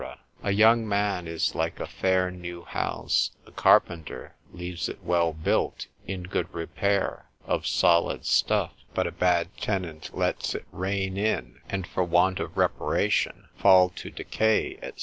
A young man is like a fair new house, the carpenter leaves it well built, in good repair, of solid stuff; but a bad tenant lets it rain in, and for want of reparation, fall to decay, &c.